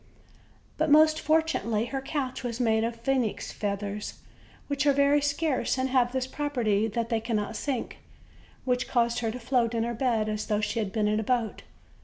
But most fortunately her couch was made of phoenix feathers, which are very scarce and have this property, that they cannot sink, which caused her to float in her bed as though she had been in a boat.